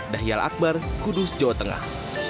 dahial akbar kudus jawa tengah